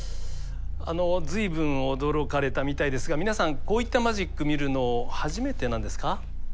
あのずいぶん驚かれたみたいですが皆さんこういったマジック見るの初めてなんですか？